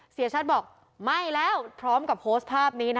เสียชัดบอกไม่แล้วพร้อมกับโพสต์ภาพนี้นะ